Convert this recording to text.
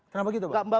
kenapa gitu mbak